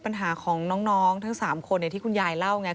ปัญหาของน้องสามคนที่คุณยายเล่า